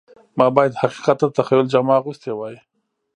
ما باید حقیقت ته د تخیل جامه اغوستې وای